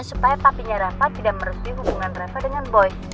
supaya papinya reva tidak merespi hubungan reva dengan boy